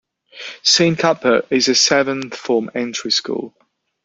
Saint Cuthbert's is a seven form entry school.